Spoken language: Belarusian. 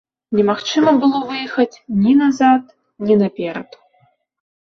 Немагчыма было выехаць ні назад, ні наперад.